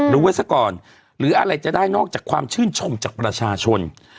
รู้ไว้ซะก่อนหรืออะไรจะได้นอกจากความชื่นชมจากประชาชน